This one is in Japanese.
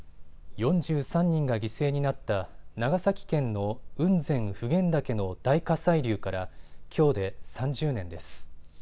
４３人が犠牲になった長崎県の雲仙・普賢岳の大火砕流からきょうで３０年です。